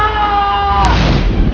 mba masuk mana